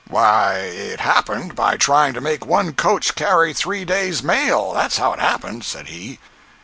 "Why, it happened by trying to make one coach carry three days' mail—that's how it happened," said he.